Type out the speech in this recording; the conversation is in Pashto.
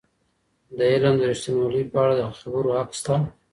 د علم د ریښتینوالی په اړه د خبرو حق سته.